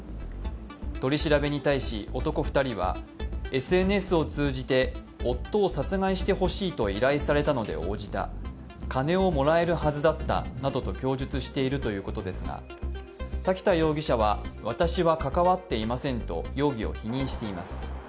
取り調べに対し、男２人はＳＮＳを通じて夫を殺害してほしいと依頼されたので応じた金をもらえるはずだったなどと供述しているということですが、瀧田容疑者は、私は関わっていませんと容疑を否認しています。